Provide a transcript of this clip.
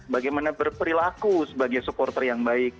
bagaimana berperilaku sebagai supporter yang baik